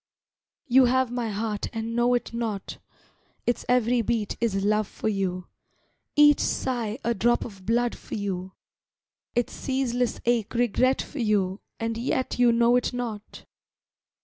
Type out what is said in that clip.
You have my heart and know it not, Its every beat is love for you, Each sigh a drop of blood for you, Its ceaseless ache regret for you, And yet you know it not.